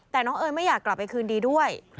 แต่น้องเอ๋ยไม่อยากกลับไปคืนดีด้วย